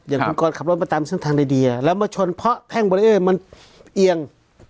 อย่างคุณกรขับรถมาตามเส้นทางในเดียแล้วมาชนเพราะแท่งเบอร์เออร์มันเอียง